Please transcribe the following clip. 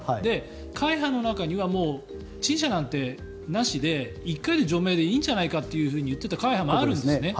会派の中には陳謝なんてなしで１回で除名でいいんじゃないかと言っていた会派もあるんですね。